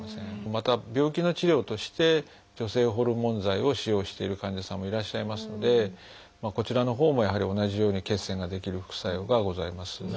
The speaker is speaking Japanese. また病気の治療として女性ホルモン剤を使用している患者さんもいらっしゃいますのでこちらのほうもやはり同じように血栓が出来る副作用がございます。